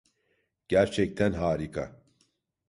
Gerçekten harika.